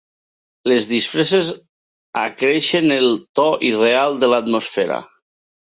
Les disfresses acreixen el to irreal de l'atmosfera.